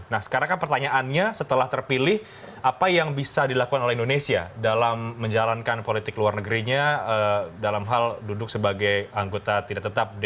nah sekarang kan pertanyaannya setelah terpilih apa yang bisa dilakukan oleh indonesia dalam menjalankan politik luar negerinya dalam hal duduk sebagai anggota tidak tetap